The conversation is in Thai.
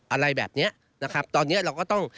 อะไรแบบนี้ตอนนี้เราก็ต้อง